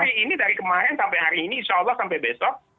hari ini dari kemarin sampai hari ini insya allah sampai besok